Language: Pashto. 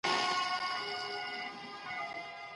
ژوند ولي بايد د چا په خوښه وای .